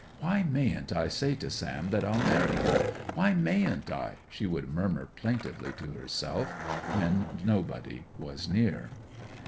'Why mayn't I say to Sam that I'll marry him? Why mayn't I?' she would murmur plaintively to herself when nobody was near.